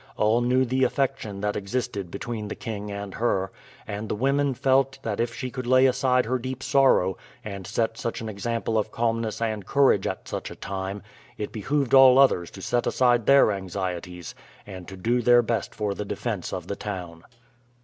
All knew the affection that existed between the king and her, and the women all felt that if she could lay aside her deep sorrow, and set such an example of calmness and courage at such a time, it behooved all others to set aside their anxieties and to do their best for the defense of the town.